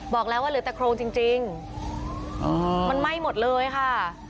บอกแล้วว่าเหลือแต่โครงจริงมันไหม้หมดเลยค่ะ